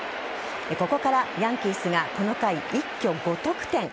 ここからヤンキースがこの回、一挙５得点。